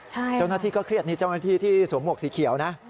เจ้าหน้าที่ก็เครียดนี่เจ้าหน้าที่ที่สวมหวกสีเขียวนะ